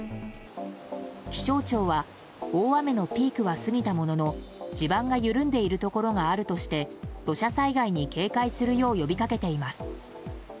気象庁は大雨のピークは過ぎたものの地盤が緩んでいるところがあるとして土砂災害に警戒するよう呼びかけています。